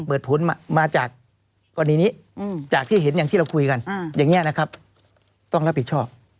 ผลมาจากกรณีนี้จากที่เห็นอย่างที่เราคุยกันอย่างนี้นะครับต้องรับผิดชอบ